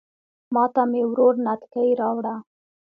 ماته مې ورور نتکۍ راوړه